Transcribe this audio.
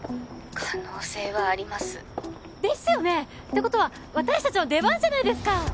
「可能性はあります」ですよね！って事は私たちの出番じゃないですか！